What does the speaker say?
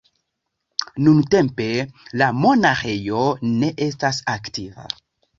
Nuntempe la monaĥejo ne estas aktiva.